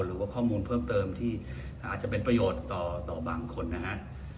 หรือว่าข้อมูลเพิ่มเติมที่อาจจะเป็นประโยชน์ต่อบางคนนะฮะ